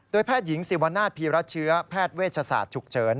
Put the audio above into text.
แพทย์หญิงสิวนาศพีรัชเชื้อแพทย์เวชศาสตร์ฉุกเฉิน